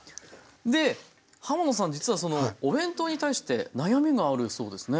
で浜野さん実はそのお弁当に対して悩みがあるそうですね。